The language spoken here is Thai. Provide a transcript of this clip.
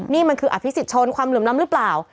นี่มันคืออภิกษิตชนความหลุมลำหรือเปล่า